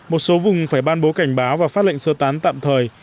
một số vùng phải ban bố cảnh báo và phát lệnh sơ tán tạm thời